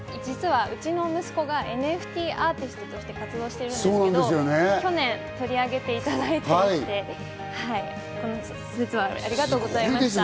実はうちの息子がＮＦＴアーティストとして活動しているんですけど、去年、取り上げていただいて、その節はありがとうございました。